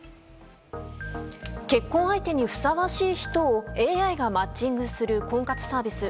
結婚相手にふさわしい人をＡＩがマッチングする婚活サービス。